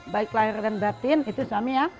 baiklahir dan batin itu suami ya